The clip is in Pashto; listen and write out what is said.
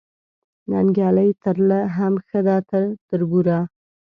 ننګیالۍ ترله هم ښه ده تر تربوره